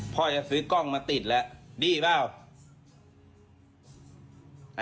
พ่อจะซื้อกล้องมาติดแล้วดีเปล่า